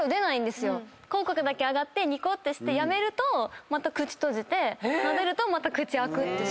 口角だけ上がってにこってしてやめるとまた口閉じてなでるとまた口開くって。